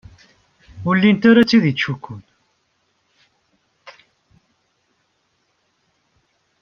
Ur llint ara d tid yettcukkun.